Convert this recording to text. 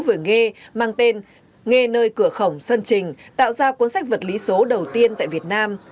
với nghe mang tên nghe nơi cửa khẩu sân trình tạo ra cuốn sách vật lý số đầu tiên tại việt nam